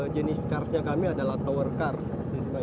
jenis karsnya kami adalah tower kars